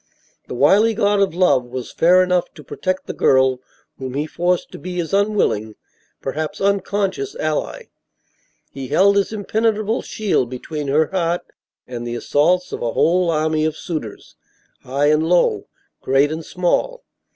The wily god of love was fair enough to protect the girl whom he forced to be his unwilling, perhaps unconscious, ally. He held his impenetrable shield between her heart and the assaults of a whole army of suitors, high and low, great and small.